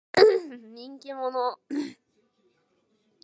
人気者。